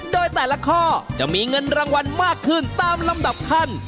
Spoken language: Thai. โดยแต่ละข้อจะมีเงินรางวัลมากขึ้นตามลำดับขั้น